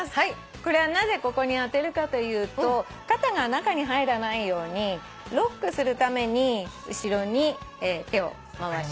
これはなぜここに当てるかというと肩が中に入らないようにロックするために後ろに手を回します。